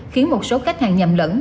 khiến một số khách hàng nhầm lẫn